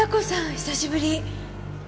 久しぶり。